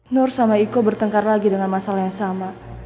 nur sama iko bertengkar lagi dengan masalah yang sama